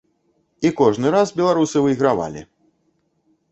І кожны раз беларусы выйгравалі.